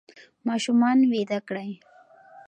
ماشومان ویده کړئ.